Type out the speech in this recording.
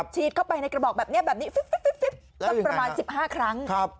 ฉีดเข้าไปในกระบอกแบบนี้ประมาณ๑๕ครั้ง